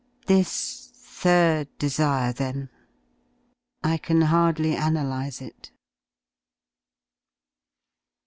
This third desire then — I can hardly analyse it.